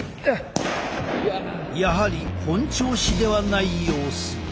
やはり本調子ではない様子。